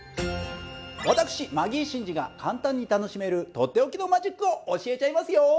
私マギー審司が簡単に楽しめるとっておきのマジックを教えちゃいますよ。